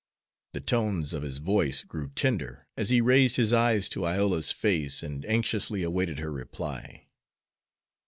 The tones of his voice grew tender, as he raised his eyes to Iola's face and anxiously awaited her reply.